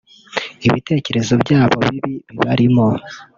Ibitekerezo byabo bibi bibarimo